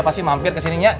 pasti mampir ke sini nya